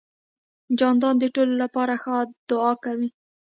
جانداد د ټولو لپاره ښه دعا کوي.